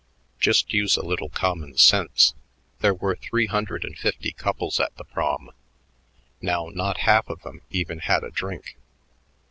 Just use a little common sense. There were three hundred and fifty couples at the Prom. Now, not half of them even had a drink.